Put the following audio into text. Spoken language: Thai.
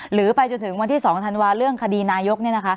หรือไปจนถึงวันที่๒ธันวาเรื่องคดีนายก